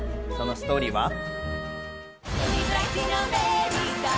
そのストーリーは。